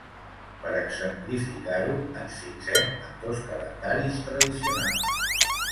Per exemplificar-ho, ens fixem en dos calendaris tradicionals.